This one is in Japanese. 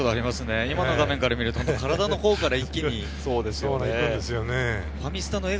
今の画面から見ると、体のほうから一気に行くんですね。